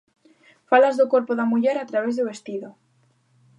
Falas do corpo da muller a través do vestido.